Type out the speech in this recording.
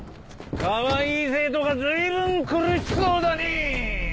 かわいい生徒が随分苦しそうだねえ